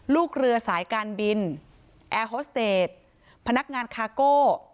ลูกเรือสายการบินแอร์โฮสเตจพนักงานคาโก้